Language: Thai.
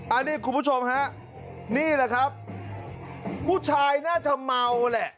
อันนี้คุณผู้ชมฮะนี่แหละครับผู้ชายน่าจะเมาแหละ